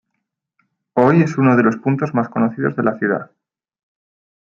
Hoy es uno de los puntos más conocidos de la ciudad.